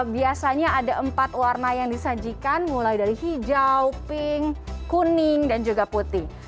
biasanya ada empat warna yang disajikan mulai dari hijau pink kuning dan juga putih